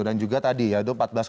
dan juga tadi yaitu rp empat belas enam